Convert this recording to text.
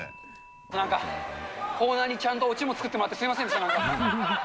なんか、コーナーにちゃんとオチも作ってもらってすみませんでした。